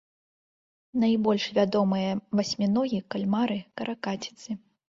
Найбольш вядомыя васьміногі, кальмары, каракаціцы.